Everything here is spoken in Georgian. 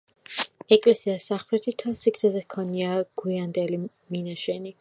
ეკლესიას სამხრეთით მთელ სიგრძეზე ჰქონია გვიანდელი მინაშენი.